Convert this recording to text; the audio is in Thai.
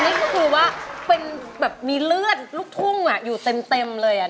วิ่มนี่ก็คือว่ามีเลือดลูกทุ่งอยู่เต็มเลย